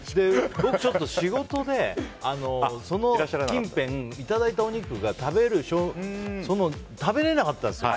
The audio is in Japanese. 僕、ちょっと仕事でその近辺、いただいたお肉が食べれなかったんですよ